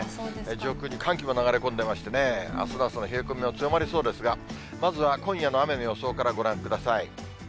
上空に寒気も流れ込んでましてね、あすの朝の冷え込みも強まりそうですが、まずは今夜の雨の予想からご覧ください。